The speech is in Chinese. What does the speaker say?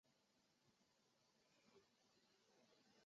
又任香港邮船公司总经理。